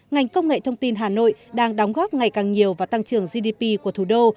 ngành công nghệ thông tin hà nội đang đóng góp ngày càng nhiều vào tăng trưởng gdp của thủ đô